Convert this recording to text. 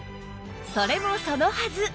それもそのはず